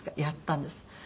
やったんです。